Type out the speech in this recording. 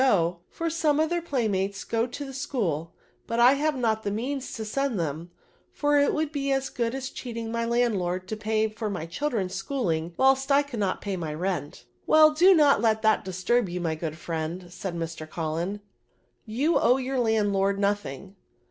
go, for some of tibeir playmates go to the VERBS, 71 l^hool ; but I have not the means to send them, for it would be as good as cheating mj landlord to pay for my children's schooling, "whilst I can't pay my rent/' " Well, do not let that disturb you, my good friend," said Mr. Cullen, you owe your landlord no thing."